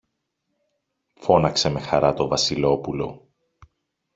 φώναξε με χαρά το Βασιλόπουλο.